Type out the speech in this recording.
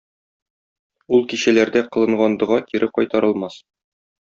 Ул кичәләрдә кылынган дога кире кайтарылмас.